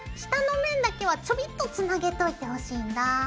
下の面だけはちょびっとつなげといてほしいんだ。